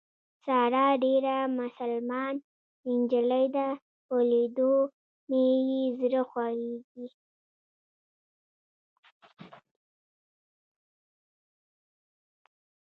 ساره ډېره مسلمان نجلۍ ده په لیدو مې یې زړه خوږېږي.